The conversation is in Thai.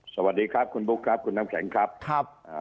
สวัสดีครับคุณบุ๊คครับคุณน้ำแข็งครับครับอ่า